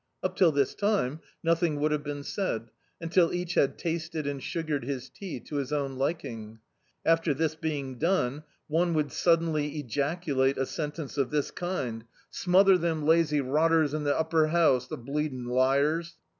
Up till this time nothing would have been said, until each had tasted and sugared his tea to his own liking. After this being done, one would suddenly ejaculate a sentence of this kind "Smother D,i.,.db, Google The Autobiography of a Super Tramp them lazy rotters in the fa'uppcr 'ouse, the bleeding liars."